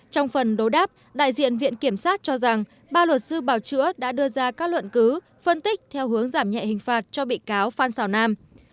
trong phần đối đáp đại diện viện kiểm sát cho rằng ba luật sư bào chữa đã đưa ra các luận cứ phân tích theo hướng giảm nhẹ hình phạt cho bị cáo phan xào nam